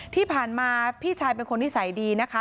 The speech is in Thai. ที่ผ่านมาพี่ชายเป็นคนนิสัยดีนะคะ